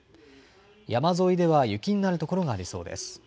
山沿いでは雪になる所がありそうです。